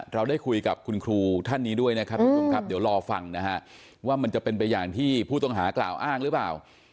เราได้คุยกับคุณครูท่านนี้ด้วยนะครับทุกผู้ชมครับเดี๋ยวรอฟังนะฮะว่ามันจะเป็นไปอย่างที่ผู้ต้องหากล่าวอ้างหรือเปล่า